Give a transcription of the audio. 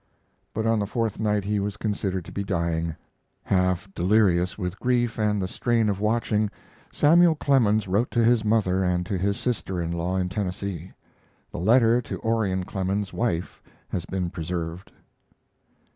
But on the fourth night he was considered to be dying. Half delirious with grief and the strain of watching, Samuel Clemens wrote to his mother and to his sister in law in Tennessee. The letter to Orion Clemens's wife has been preserved.